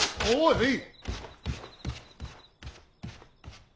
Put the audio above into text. おい！